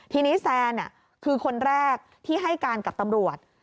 ทีนี้แซนคือคนแรกที่ให้การกับตำรวจ